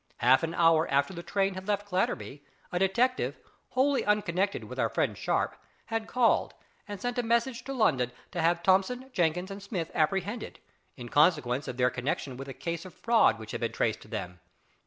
Half an hour after the train had left Clatterby a detective, wholly unconnected with our friend Sharp, had called and sent a message to London to have Thomson, Jenkins, and Smith apprehended, in consequence of their connexion with a case of fraud which had been traced to them.